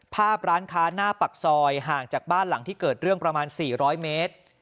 ภาพร้านค้าหน้าปากซอยห่างจากบ้านหลังที่เกิดเรื่องประมาณ๔๐๐เมตร